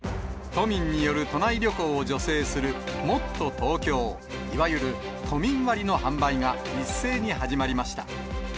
都民による都内旅行を助成する、もっとＴｏｋｙｏ、いわゆる都民割の販売が一斉に始まりました。